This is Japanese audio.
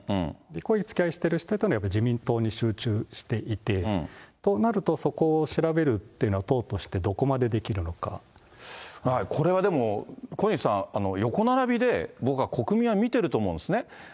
濃いつきあいしてるひとっていうのはやっぱり自民党に集中していて、となると、そこを調べるっていうのは党としてどこまでできるこれはでも、小西さん、横並びで、僕は国民は見てると思うんですね。